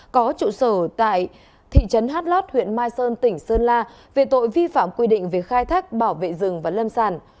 có trụ sở tại thị trấn hát lót huyện mai sơn tỉnh sơn la về tội vi phạm quy định về khai thác bảo vệ rừng và lâm sản